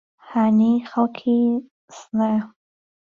هانی خەڵکی سنەیە